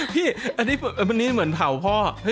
พี่อันนี้เหมือนเผาพ่อ